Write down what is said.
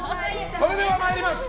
それでは参ります。